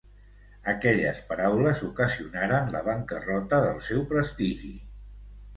Aquelles paraules ocasionaren la bancarrota del seu prestigi.